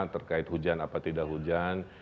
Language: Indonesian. terkait hujan apa tidak hujan